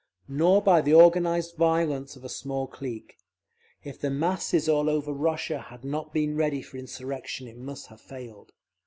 Nor by the organized violence of a small clique. If the masses all over Russia had not been ready for insurrection it must have failed.